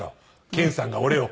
健さんが俺を。